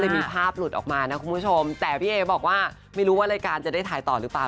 มีภาพหลุดออกมานะคุณผู้ชมแต่พี่เอ๋บอกว่าไม่รู้ว่ารายการจะได้ถ่ายต่อหรือเปล่า